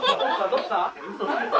どうした？